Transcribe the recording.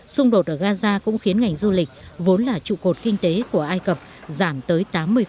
xung đột ở gaza cũng khiến ngành du lịch vốn là trụ cột kinh tế của ai cập giảm tới tám mươi